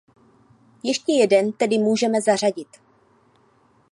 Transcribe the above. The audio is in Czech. Ještě jeden tedy můžeme zařadit.